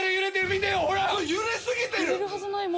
揺れすぎてる！